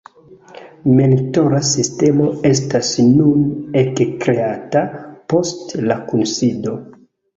Mentora sistemo estas nun ekkreata post la kunsido.